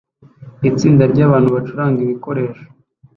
Itsinda ryabantu bacuranga ibikoresho